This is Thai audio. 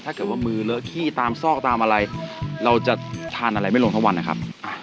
ถ้าเกิดว่ามือเลอะขี้ตามซอกตามอะไรเราจะทานอะไรไม่ลงทั้งวันนะครับ